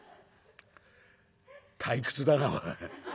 退屈だなおい。